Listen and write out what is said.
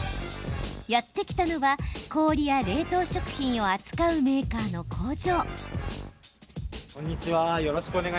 やって来たのは、氷や冷凍食品を扱うメーカーの工場。